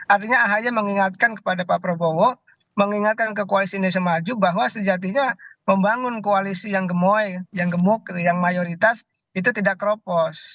artinya ahy mengingatkan kepada pak prabowo mengingatkan ke koalisi indonesia maju bahwa sejatinya membangun koalisi yang gemoy yang gemuk yang mayoritas itu tidak keropos